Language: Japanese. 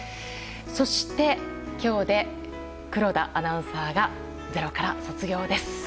そして、今日で黒田アナウンサーが「ｚｅｒｏ」から卒業です。